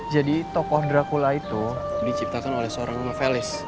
jadi tokoh dracula itu diciptakan oleh seorang novelis